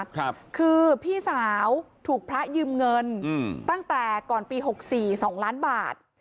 ครับคือพี่สาวถูกพระยืมเงินอืมตั้งแต่ก่อนปีหกสี่สองล้านบาท